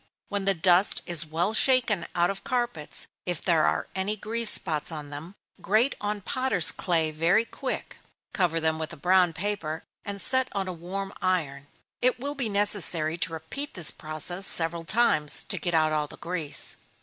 When the dust is well shaken out of carpets, if there are any grease spots on them, grate on potter's clay very thick, cover them with a brown paper, and set on a warm iron. It will be necessary to repeat this process several times, to get out all the grease.